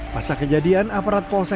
pasal kejadian aparat binara gawan sukses